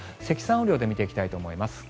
雨量で見ていきたいと思います。